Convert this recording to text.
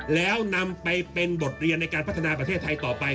แล้วนำไปเป็นบทเรียนในการพัฒนาประเทศไทยต่อไป